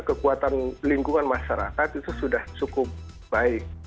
kekuatan lingkungan masyarakat itu sudah cukup baik